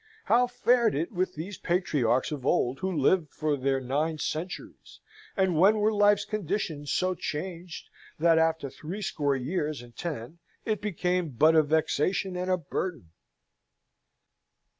How fared it with those patriarchs of old who lived for their nine centuries, and when were life's conditions so changed that, after threescore years and ten, it became but a vexation and a burden?